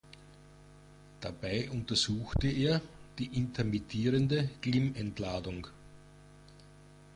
Dabei untersuchte er die intermittierende Glimmentladung.